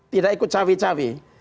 tidak ikut cewek cewek